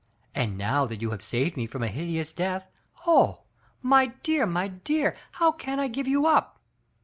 And now that you have saved me from a hideous death, oh! my dear, my dear, how can I give you up?